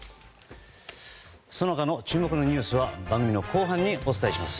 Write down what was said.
その他の注目のニュースは番組の後半にお伝えします。